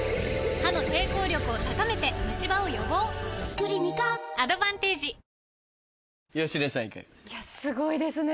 クリニカアドバンテージすごいですね。